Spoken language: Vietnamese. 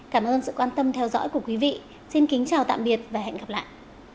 cảm ơn sự quan tâm theo dõi của quý vị xin kính chào tạm biệt và hẹn gặp lại